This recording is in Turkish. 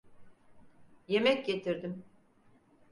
Yemek getirdim.